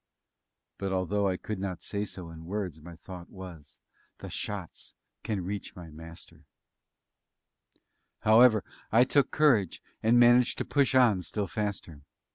But although I could not say so in words, my thought was, The shots can reach my Master! However, I took courage, and managed to push on still faster.